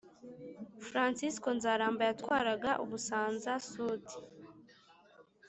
Fransisko Nzaramba yatwaraga Ubusanza-Sud.